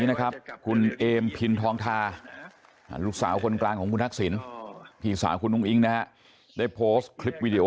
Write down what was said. ก็ขอบคุณอีกครั้งนะครับ